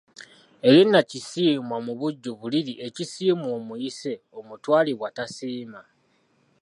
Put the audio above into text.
Erinnya Kisiimwa mubujjuvu liri Ekisiimwa omuyise omutwalibwa tasiima.